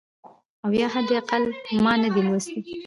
او یا حد اقل ما نه دی لوستی .